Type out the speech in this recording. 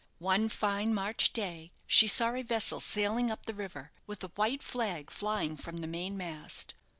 One fine March day she saw a vessel sailing up the river, with a white flag flying from the main mast.